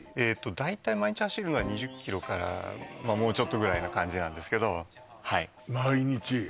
大体毎日走るのはからもうちょっとぐらいな感じなんですけど毎日？